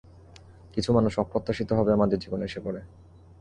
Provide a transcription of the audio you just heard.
কিছু মানুষ অপ্রত্যাশিতভাবে আমাদের জীবনে এসে পড়ে।